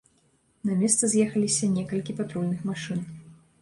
На месца з'ехаліся некалькі патрульных машын.